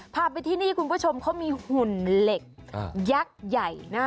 พาไปที่นี่คุณผู้ชมเขามีหุ่นเหล็กยักษ์ใหญ่นะ